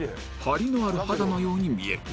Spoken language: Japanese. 張りのある肌のように見える